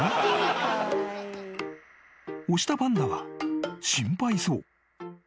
［押したパンダは心配そう］